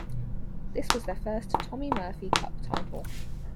This was their first Tommy Murphy Cup title.